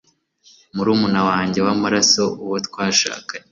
murumuna wanjye wamaraso, uwo twashakanye